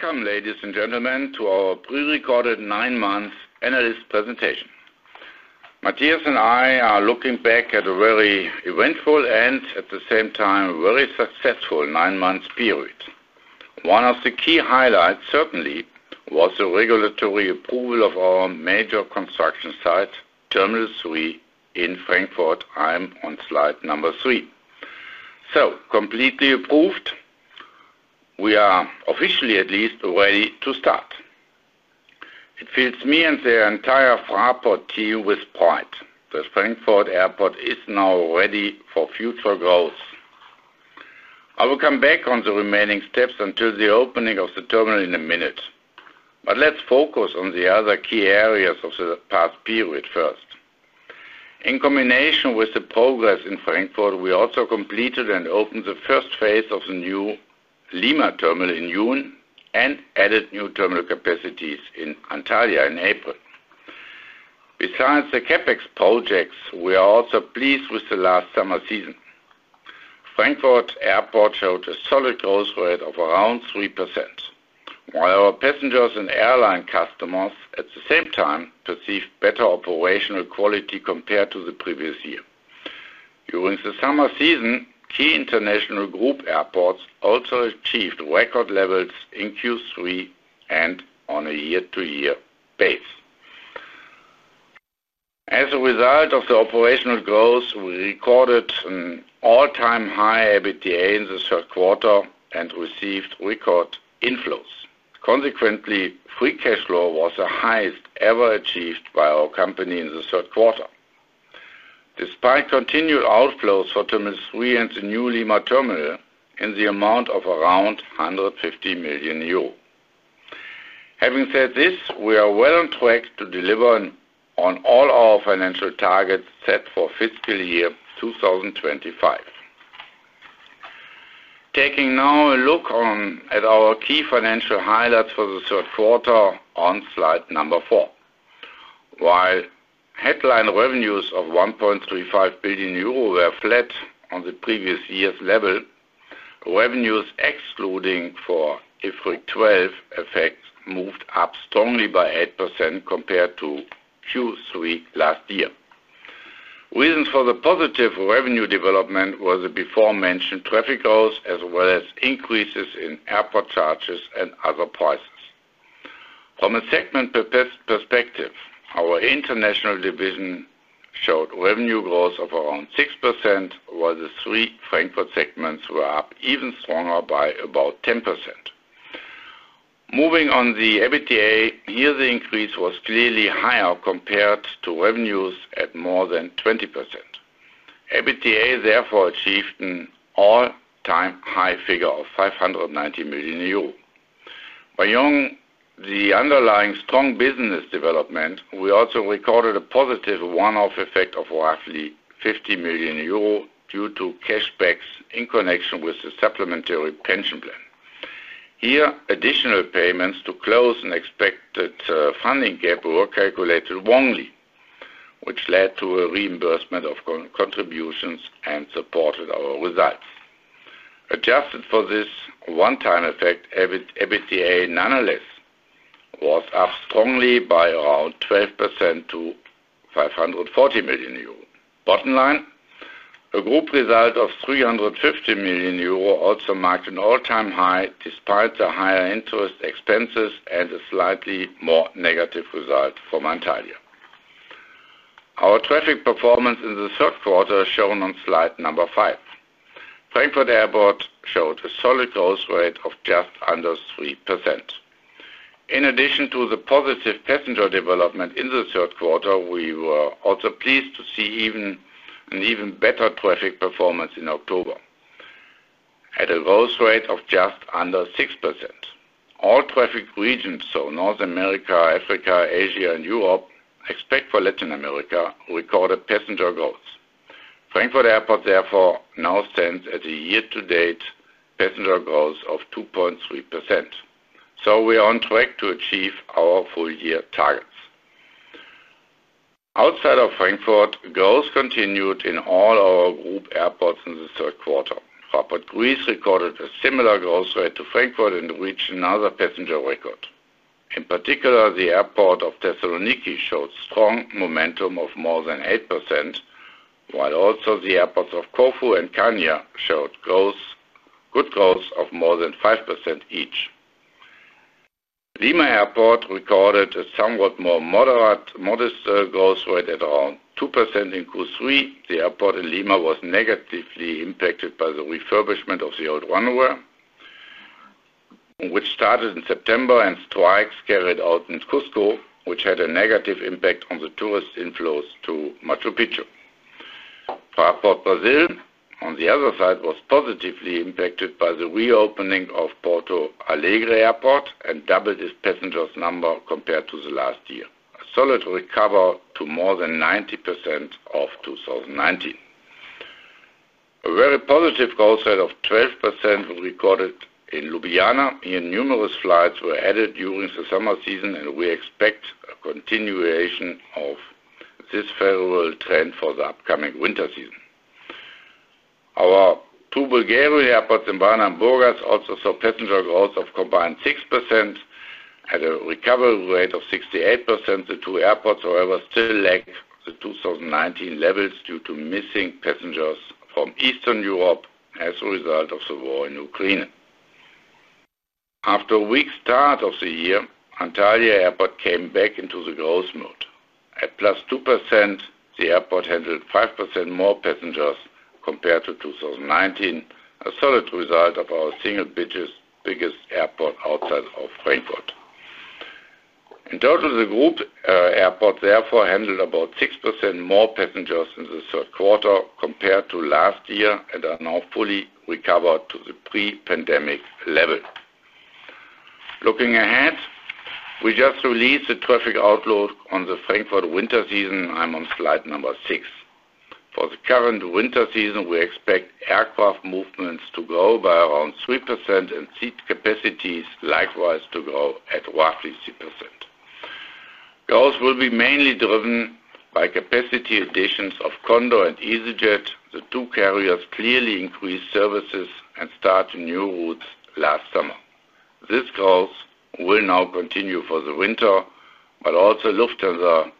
Welcome ladies and gentlemen to our prerecorded nine months analyst presentation. Matthias and I are looking back at a very eventful and at the same time very successful nine months period. One of the key highlights certainly was the regulatory approval of our major construction site Terminal 3 in Frankfurt. I am on slide number three, so completely approved, we are officially at least ready to start. It fills me and the entire Fraport team with pride. The Frankfurt Airport is now ready for future growth. I will come back on the remaining steps until the opening of the terminal in a minute, but let's focus on the other key areas of the past period first. In combination with the progress in Frankfurt, we also completed and opened the first phase of the new Lima terminal in June and added new terminal capacities in Antalya in April. Besides the CapEx projects, we are also pleased with the last summer season. Frankfurt Airport showed a solid growth rate of around 3% while our passengers and airline customers at the same time perceived better operational quality compared to the previous year. During the summer season, key international group airports also achieved record levels in Q3 and on a year-to-year basis. As a result of the operational growth, we recorded an all-time high EBITDA in the third quarter and received record inflows. Consequently, free cash flow was the highest ever achieved by our company in the third quarter despite continued outflows for Terminal 3 and the new Lima terminal in the amount of around 150 million euro. Having said this, we are well on track to deliver on all our financial targets set for fiscal year 2025. Taking now a look at our key financial highlights for the third quarter on slide number four, while headline revenues of 1.35 billion euro were flat on the previous year's level, revenues excluding for IFRIC 12 effects moved up strongly by 8% compared to Q3 last year. Reasons for the positive revenue development was the before mentioned traffic growth as well as increases in aviation charges and other prices. From a segment perspective, our international division showed revenue growth of around 6% while the three Frankfurt segments were up even stronger by about 10%. Moving on the EBITDA here the increase was clearly higher compared to revenues at more than 20%. EBITDA therefore achieved an all time high figure of 590 million euro. Beyond the underlying strong business development, we also recorded a positive one-off effect of roughly 50 million euro due to cashbacks in connection with the supplementary pension plan. Here, additional payments to close an expected funding gap were calculated wrongly, which led to a reimbursement of contributions and supported our results. Adjusted for this one-time effect, EBITDA nonetheless was up strongly by around 12% to 540 million euro. A group result of 350 million euro also marked an all-time high despite the higher interest expenses and a slightly more negative result for Montreal. Our traffic performance in the third quarter, shown on slide number 5, Frankfurt Airport showed a solid growth rate of just under 3%. In addition to the positive passenger development in the third quarter, we were also pleased to see an even better traffic performance in October at a growth rate of just under 6%. All traffic regions, so North America, Africa, Asia, and Europe except for Latin America, recorded passenger growth. Frankfurt Airport therefore now stands at a year to date passenger growth of 2.3%, so we are on track to achieve our full year targets. Outside of Frankfurt, growth continued in all our group airports in the third quarter. Greece recorded a similar growth rate to Frankfurt and reached another passenger record. In particular, the airport of Thessaloniki showed strong momentum of more than 8% while also the airports of Corfu and Chania showed good growth of more than 5% each. Lima Airport recorded a somewhat more modest growth rate at around 2% in Q3. The airport in Lima was negatively impacted by the refurbishment of the old runway which started in September and strikes carried out in Cusco which had a negative impact on the tourist inflows to Machu Picchu. Brazil on the other side was positively impacted by the reopening of Porto Alegre Airport and doubled its passenger numbers compared to the last year, a solid recovery to more than 90% of 2019, a very positive goal of 12% recorded in Ljubljana. Here numerous flights were added during the summer season and we expect a continuation of this favorable trend for the upcoming winter season. Our two Bulgarian airports in Varna and Burgas also saw passenger growth of combined 6% at a recovery rate of 68%. The two airports however still lack the 2019 levels due to missing passengers from Eastern Europe as a result of the war in Ukraine. After a weak start of the year, Antalya Airport came back into the growth mode at +2%. The airport handled 5% more passengers compared to 2019, a solid result of our single biggest airport outside of Frankfurt. In total, the Group airport therefore handled about 6% more passengers in the third quarter compared to last year and are now fully recovered to the pre-pandemic level. Looking ahead, we just released a traffic outlook on the Frankfurt winter season. I'm on slide number six. For the current winter season we expect aircraft movements to grow by around 3% and seat capacities likewise to grow at roughly 3%. Growth will be mainly driven by capacity additions of Condor and easyJet. The two carriers clearly increase services and start new routes last summer. This growth will now continue for the winter. Also, Lufthansa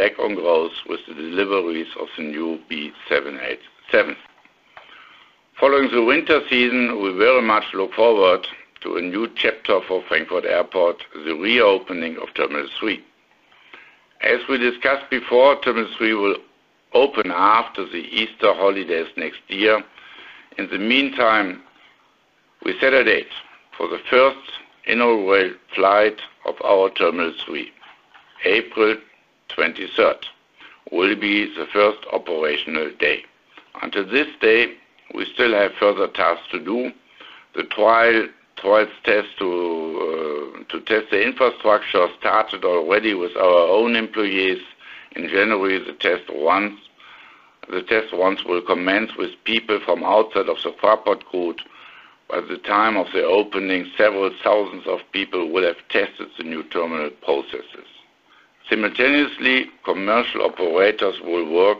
is back on growth with the deliveries of the new B787. Following the winter season, we very much look forward to a new chapter for Frankfurt Airport, the reopening of Terminal 3. As we discussed before, Terminal 3 will open after the Easter holidays next year. In the meantime, we set a date for the first in real flight of our Terminal 3. April 23rd will be the first operational day. Until this day, we still have further tasks to do. The trial test to test the infrastructure started already with our own employees. In January, the test runs will commence with people from outside of the Fraport Group. At the time of the opening, several thousands of people will have tested the new terminal processes. Simultaneously, commercial operators will work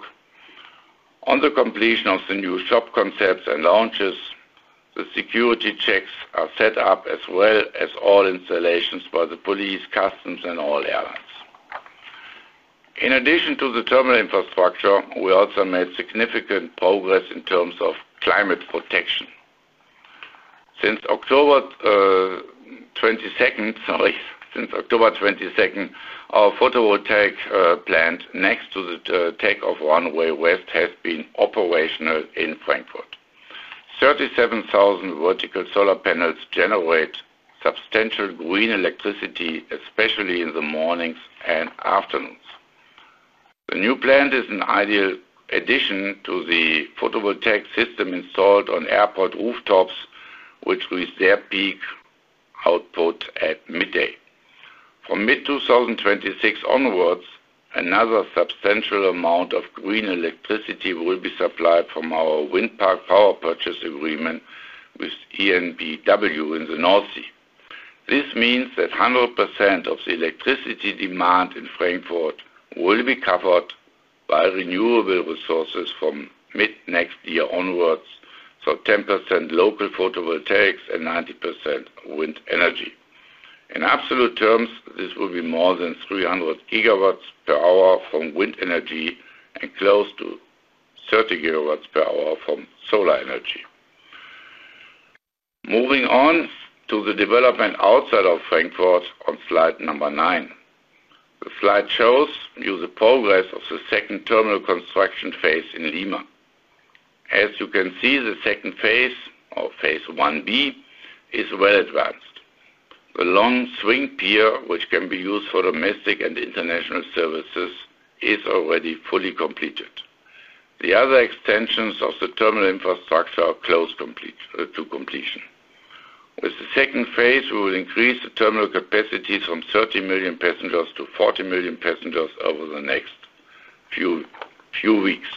on the completion of the new shop concepts and launches. The security checks are set up as well as all installations by the police, customs and all airlines. In addition to the terminal infrastructure, we also made significant progress in terms of climate protection. Since October 22nd. Sorry. Since October 22nd, our photovoltaic plant next to the takeoff Runway west has been operational. In Frankfurt, 37,000 vertical solar panels generate substantial green electricity, especially in the mornings and afternoons. The new plant is an ideal addition to the photovoltaic system installed on airport rooftops which reach their peak output at midday. From mid-2026 onwards, another substantial amount of green electricity will be supplied from our wind park power purchase agreement with EnBW in the North Sea. This means that 100% of the electricity demand in Frankfurt will be covered by renewable resources from mid next year onwards. So 10% local photovoltaics and 90% wind energy. In absolute terms, this will be more than 300 GW hours from wind energy and close to 30 GW hours from solar energy. Moving on to the development outside of Frankfurt on slide number nine, the slide shows you the progress of the second terminal construction phase in Lima. As you can see, the second phase or phase Ib is well advanced. The long swing pier, which can be used for domestic and international services, is already fully completed. The other extensions of the terminal infrastructure are close to completion. With the second phase, we will increase the terminal capacity from 30 million passengers to 40 million passengers over the next few weeks.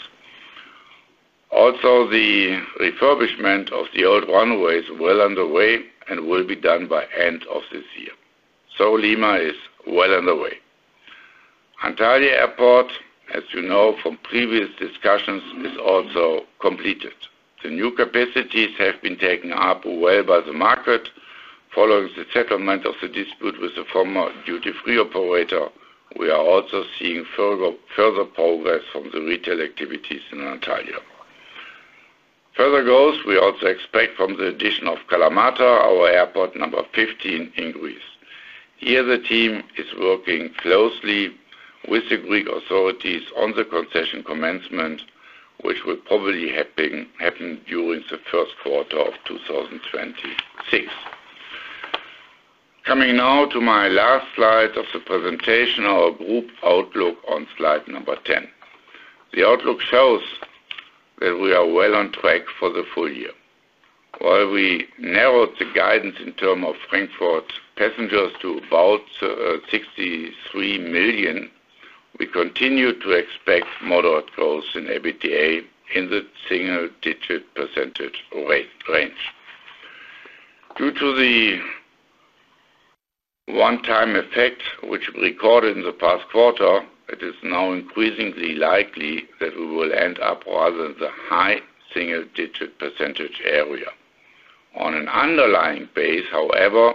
Also, the refurbishment of the old runway is well underway and will be done by end of this year. Lima is well underway. Antalya Airport, as you know from previous discussions, is also completed. The new capacities have been taken up well by the market. Following the settlement of the dispute with the former duty free operator, we are also seeing further progress from the retail activities in Antalya. Further goals we also expect from the addition of Kalamata, our airport number 15 in Greece. Here the team is working closely with the Greek authorities on the concession commencement which will probably happen during the first quarter of 2026. Coming now to my last slide of the presentation, our group outlook on slide number 10. The outlook shows that we are well on track for the full year. While we narrowed the guidance in terms of Frankfurt's passengers to about 63 million, we continue to expect moderate growth in EBITDA in the single digit percentage rate range. Due to the one-time effect which recorded in the past quarter, it is now increasingly likely that we will end up rather than the highest single-digit percentage area on an underlying base. However,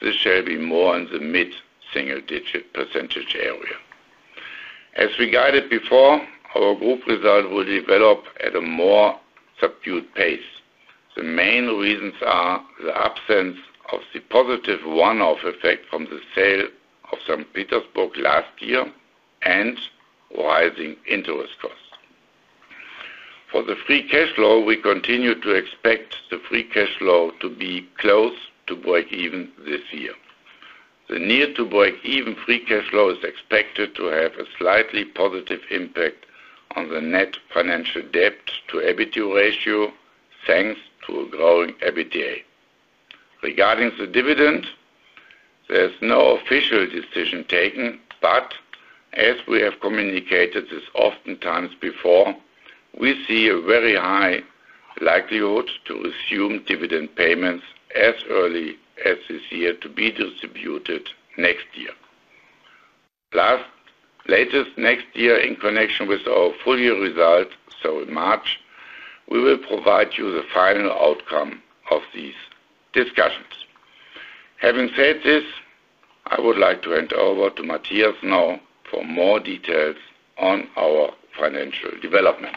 this shall be more in the mid single-digit percentage area. As we guided before, our group result will develop at a more subdued pace. The main reasons are the absence of the positive one-off effect from the sale of St. Petersburg last year and rising interest costs for the free cash flow. We continue to expect the free cash flow to be close to breakeven this year. The near to breakeven free cash flow is expected to have a slightly positive impact on the net financial debt to EBITDA ratio thanks to a growing EBITDA. Regarding the dividend, there is no official decision taken, but as we have communicated this often times before, we see a very high likelihood to assume dividend payments as early as this year to be distributed next year, latest next year in connection with our full year result. In March we will provide you the final outcome of these discussions. Having said this, I would like to hand over to Matthias now for more details on our financial development.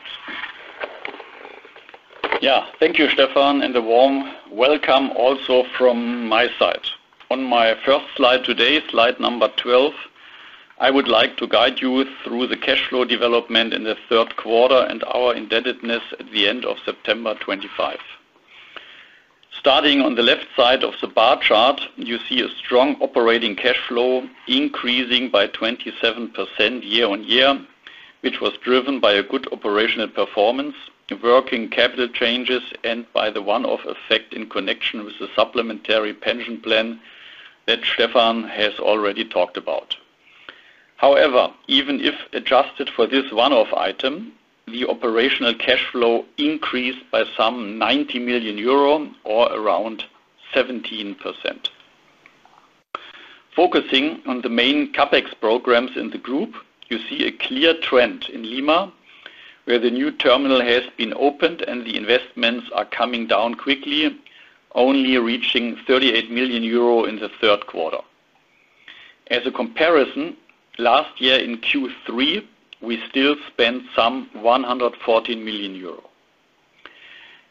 Thank you, Stefan, and a warm welcome also from my side. On my first slide today, slide number 12, I would like to guide you through the cash flow development in the third quarter and our indebtedness at the end of September 25. Starting on the left side of the bar chart, you see a strong operating cash flow increasing by 27% year-on-year, which was driven by a good operational performance, working capital changes, and by the one-off effect in connection with the supplementary pension plan that Stefan has already talked about. However, even if adjusted for this one-off item, the operational cash flow increased by some 90 million euro or around 17%. Focusing on the main CapEx programs in the Group, you see a clear trend in Lima where the new terminal has been opened and the investments are coming down quickly, only reaching 38 million euro in the third quarter. As a comparison, last year in Q3 we still spent some 114 million euro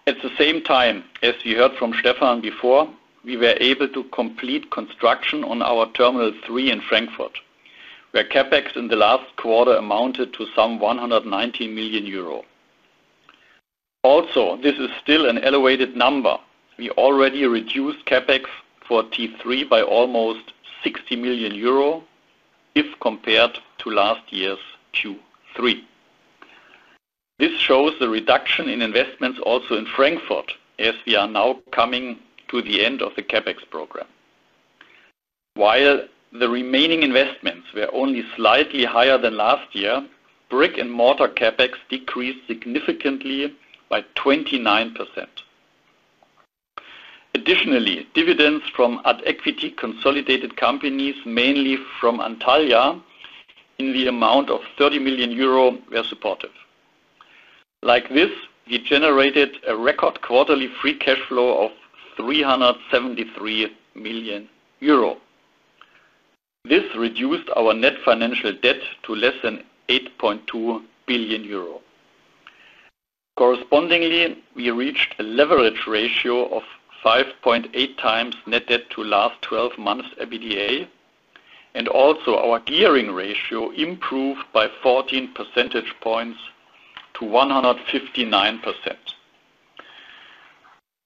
at the same time. As you heard from Stefan before, we were able to complete construction on our Terminal 3 in Frankfurt, where CapEx in the last quarter amounted to some 119 million euro. Also, this is still an elevated number. We already reduced CapEx for T3 by almost 60 million euro if compared to last year's Q3. This shows the reduction in investments also in Frankfurt as we are now coming to the end of the CapEx program. While the remaining investments were only slightly higher than last year, brick and mortar CapEx decreased significantly by 29%. Additionally, dividends from adequately consolidated companies, mainly from Antalya, in the amount of 30 million euro were supportive. Like this, we generated a record quarterly free cash flow of 373 million euro. This reduced our net financial debt to less than 8.2 billion euro. Correspondingly, we reached a leverage ratio of 5.8x net debt to last 12 months EBITDA and also our gearing ratio improved by 14 percentage points to 159%.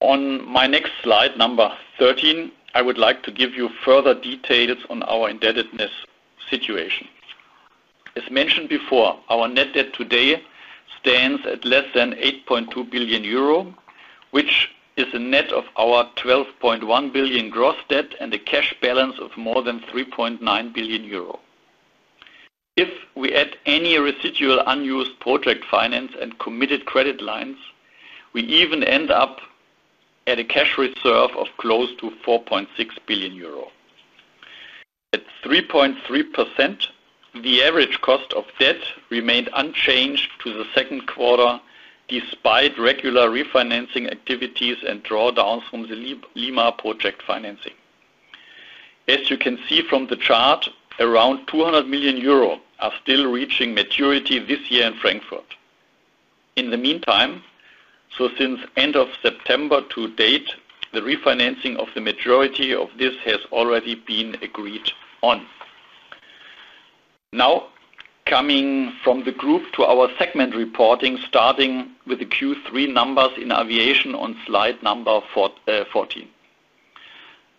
On my next slide number 13, I would like to give you further details on our indebtedness situation. As mentioned before, our net debt today stands at less than 8.2 billion euro, which is a net of our 12.1 billion gross debt and a cash balance of more than 3.9 billion euro. If we add any residual unused project finance and committed credit lines, we even end up at a cash reserve of close to 4.6 billion euro. At 3.3%. The average cost of debt remained unchanged to the second quarter despite regular refinancing activities and drawdowns from the Lima project financing. As you can see from the chart, around 200 million euro are still reaching maturity this year in Frankfurt. In the meantime, so since end of September to date, the refinancing of the majority of this has already been agreed on. Now coming from the group to our segment reporting starting with the Q3 numbers in Aviation on slide number 14.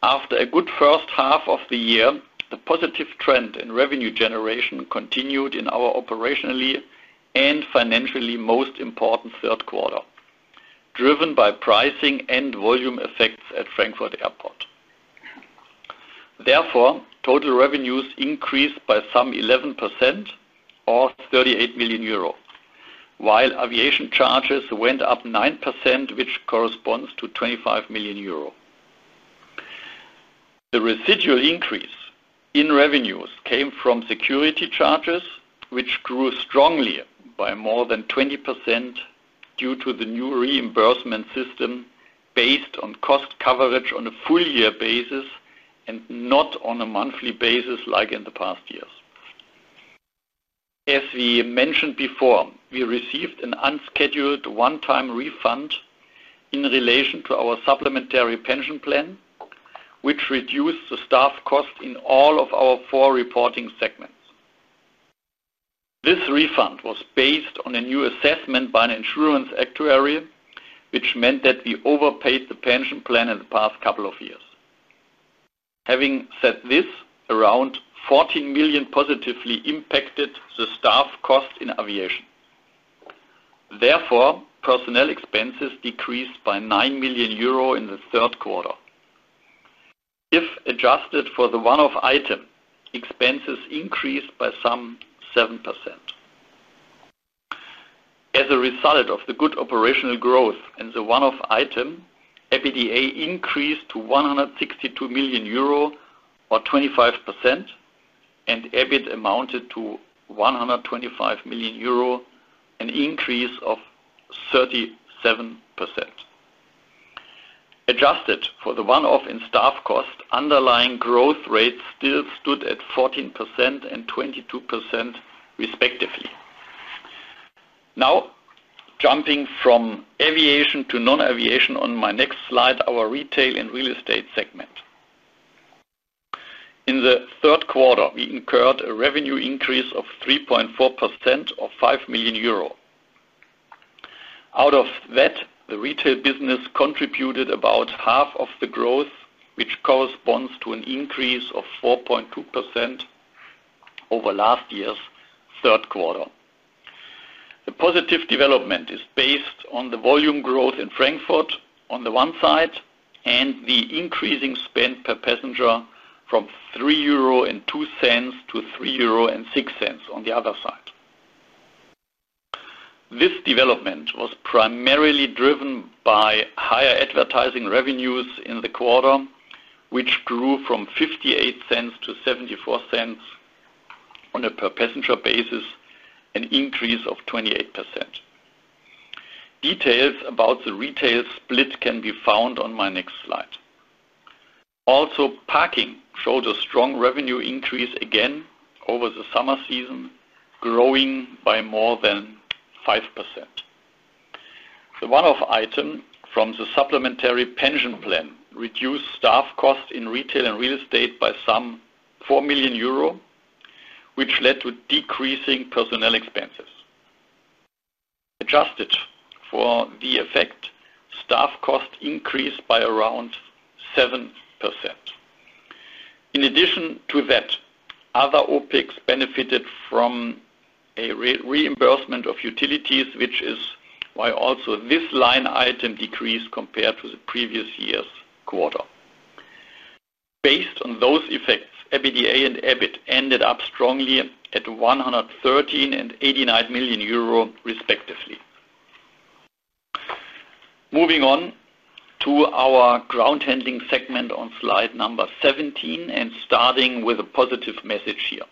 After a good first half of the year, the positive trend in revenue generation continued in our operationally and financially most important third quarter, driven by pricing and volume effects at Frankfurt airport. Therefore, total revenues increased by some 11% or 38 million euro, while aviation charges went up 9% which corresponds to 25 million euro. The residual increase in revenues came from security charges which grew strongly by more than 20% due to the new reimbursement system based on cost coverage on a full year basis and not on a monthly basis like in the past years. As we mentioned before, we received an unscheduled one time refund in relation to our supplementary pension plan which reduced the staff cost in all of our four reporting segments. This refund was based on a new assessment by an insurance actuary which meant that we overpaid the pension plan in the past couple of years. Having said this, around 14 million positively impacted the staff cost in aviation. Therefore, personnel expenses decreased by 9 million euro in the third quarter. If adjusted for the one-off item, expenses increased by some 7% as a result of the good operational growth and the one-off item. EBITDA increased to 162 million euro or 25% and EBIT amounted to 125 million euro, an increase of 37%. Adjusted for the one-off in staff cost, underlying growth rate still stood at 14% and 22% respectively. Now jumping from aviation to non-aviation on my next slide, our retail and real estate segment in the third quarter, we incurred a revenue increase of 3.4% or 5 million euro. Out of that, the retail business contributed about half of the growth, which corresponds to an increase of 4.2% over last year's third quarter. The positive development is based on the volume growth in Frankfurt on the one side and the increasing spend per passenger from 3.02-3.06 euro on the other side. This development was primarily driven by higher advertising revenues in the quarter, which grew from $0.58-$0.74 on a per passenger basis, an increase of 28%. Details about the retail split can be found on my next slide. Also, parking showed a strong revenue increase again over the summer season, growing by more than 5%. The one-off item from the supplementary pension plan reduced staff costs in retail and real estate by some 4 million euro, which led to decreasing personnel expenses. Adjusted for the effect, staff cost increased by around 7, 8. In addition to that, other OpEx benefited from a reimbursement of utilities, which is why also this line item decreased compared to the previous year's quarter. Based on those effects, EBITDA and EBIT ended up strongly at 113 million and 89 million euro respectively. Moving on to our ground handling segment on slide number 17 and starting with a positive message here,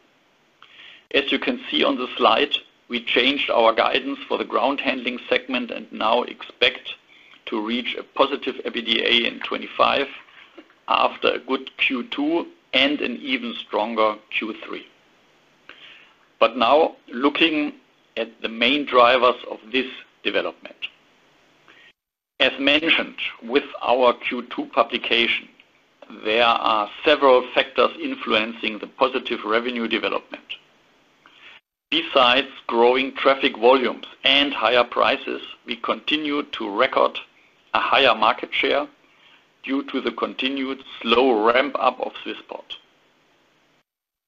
as you can see on the slide, we changed our guidance for the ground handling segment and now expect to reach a positive EBITDA in 2025. After a good Q2 and an even stronger Q3. Now looking at the main drivers of this development, as mentioned with our Q2 publication, there are several factors influencing the positive revenue development. Besides growing traffic volumes and higher prices, we continue to record a higher market share due to the continued slow ramp up of Swissport.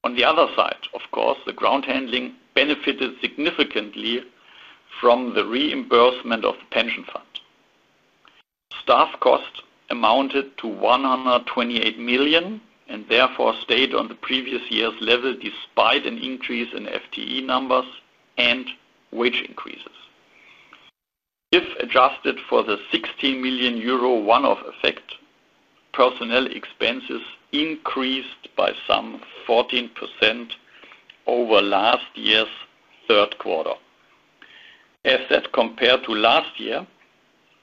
On the other side, of course, the ground handling benefited significantly from the reimbursement of the pension fund. Staff cost amounted to 128 million and therefore stayed on the previous year's level despite an increase in FTE numbers and wage increases. If adjusted for the 16 million euro one-off effect, personnel expenses increased by some 14% over last year's third quarter. As that compared to last year,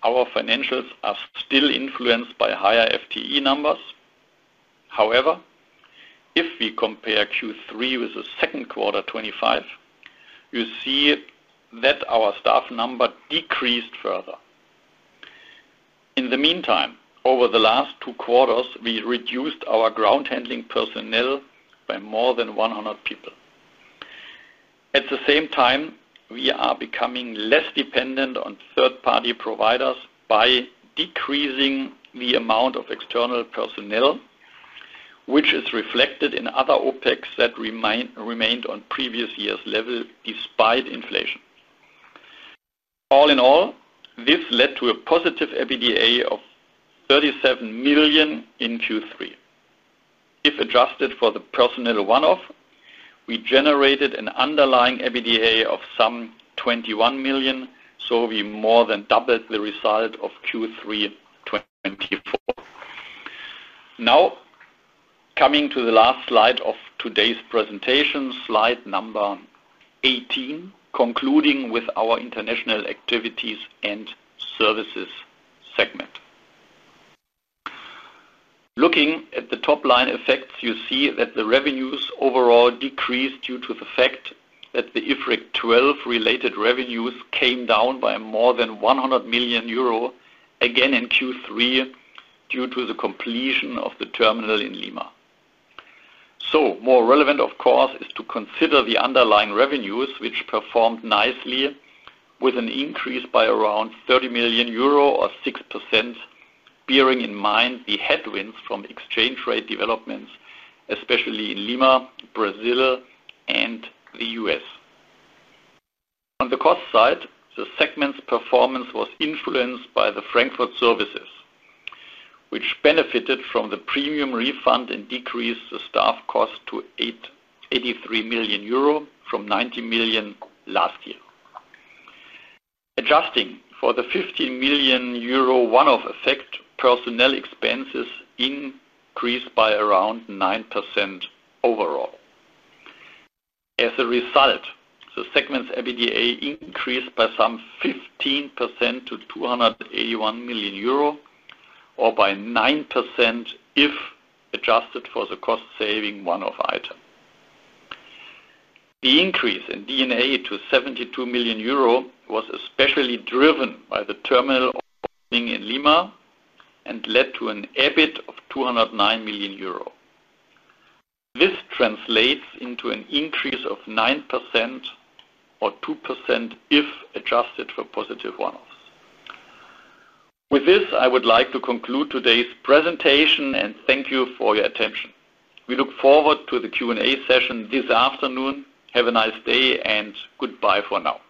our financials are still influenced by higher FTE numbers. However, if we compare Q3 with 2Q 2025, you see that our staff number decreased further in the meantime, over the last two quarters we reduced our ground handling personnel by more than 100 people. At the same time, we are becoming less dependent on third party providers by decreasing the amount of external personnel which is reflected in other OpEx that remained on previous year's level despite inflation. All in all, this led to a positive EBITDA of 37 million in Q3. If adjusted for the personnel one-off, we generated an underlying EBITDA of some 21 million, so we more than doubled the result of Q3 2024. Now coming to the last slide of today's presentation, slide number 18, concluding with our International Activities and Services segment. Looking at the top line effects, you see that the revenues overall decreased due to the fact that the IFRIC 12 related revenues came down by more than 100 million euro again in Q3 due to the completion of the terminal in Lima. More relevant of course is to consider the underlying revenues which performed nicely with an increase by around 30 million euro or 6%. Bearing in mind the headwinds from exchange rate developments, especially in Lima, Brazil, and the U.S. On the cost side, the segment's performance was influenced by the Frankfurt services which benefited from the premium refund and decreased the staff cost to 88.3 million euro from 90 million last year. Adjusting for the 15 million euro one off effect, personnel expenses increased by around 9% overall. As a result, the segment's EBITDA increased by some 15% to 281 million euro or by 9% if adjusted for the cost saving one off item. The increase in DNA to 72 million euro was especially driven by the terminal in Lima and led to an EBIT of 209 million euro. This translates into an increase of 9% or 2% if adjusted for positive one offs. With this, I would like to conclude today's presentation and thank you for your attention. We look forward to the Q&A session this afternoon. Have a nice day and goodbye for now.